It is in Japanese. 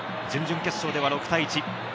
準々決勝では６対１。